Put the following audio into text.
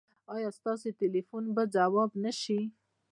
ایا ستاسو ټیلیفون به ځواب نه شي؟